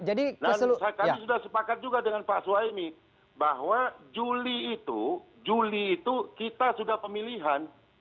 nah kami sudah sepakat juga dengan pak suhaimi bahwa juli itu juli itu kita sudah pemilihan